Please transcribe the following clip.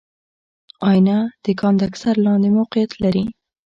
آئینه د کاندنسر لاندې موقعیت لري.